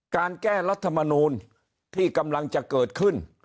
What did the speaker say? การแก้รัฐมนูลที่กำลังจะเกิดขึ้น